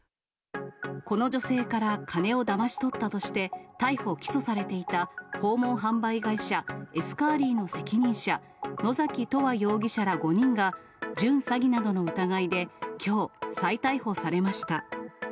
この女性から金をだまし取ったとして逮捕・起訴されていた訪問販売会社、エスカーリーの責任者、野崎永遠容疑者ら５人が、準詐欺などの疑いできょう、再逮捕されました。